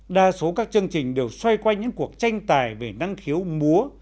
đa số các chương trình đều xoay quanh những cuộc tranh tài về năng khiếu múa